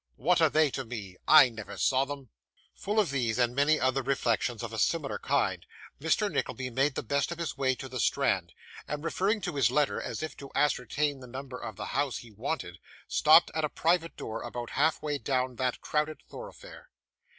What are they to me! I never saw them.' Full of these, and many other reflections of a similar kind, Mr. Nickleby made the best of his way to the Strand, and, referring to his letter as if to ascertain the number of the house he wanted, stopped at a private door about half way down that crowded thoroughfare.